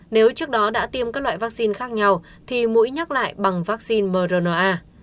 nếu trước đó đã tiêm các loại vaccine khác nhau thì mũi nhắc lại bằng vaccine mrna